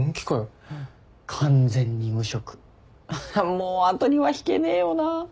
もう後には引けねえよな。